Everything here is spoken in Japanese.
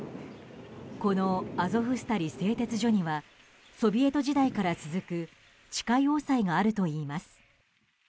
このアゾフスタリ製鉄所にはソビエト時代から続く地下要塞があるといいます。